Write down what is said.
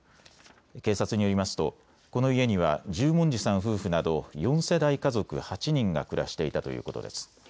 警察によりますとこの家には十文字さん夫婦など４世代家族８人が暮らしていたということです。